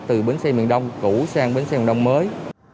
từ bến xe miền đông cũ sang bến xe miền đông mới